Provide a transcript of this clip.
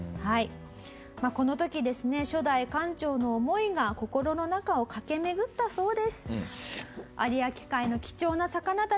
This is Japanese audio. この時ですね初代館長の思いが心の中を駆け巡ったそうです。